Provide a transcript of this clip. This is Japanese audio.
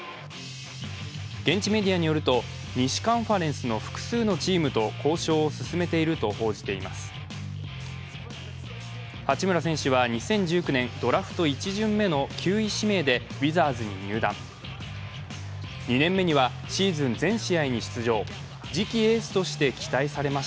現地メディアによると西カンファレンスの複数のチームと交渉を進めていると報じています。